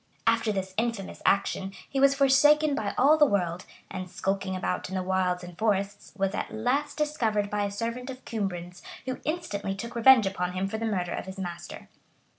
After this infamous action, he was forsaken by all the world; and skulking about in the wilds and forests, was at last discovered by a servant of Cumbran's, who instantly took revenge upon him for the murder of his master.